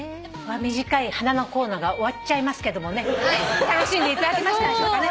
短い花のコーナーが終わっちゃいますけどもね楽しんでいただけましたでしょうかね。